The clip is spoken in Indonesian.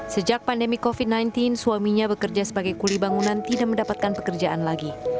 sejak pandemi covid sembilan belas suaminya bekerja sebagai kuli bangunan tidak mendapatkan pekerjaan lagi